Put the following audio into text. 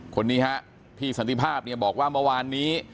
คนนี้ฮะพี่สันติภาพเนี่ยบอกว่าเมื่อวานนี้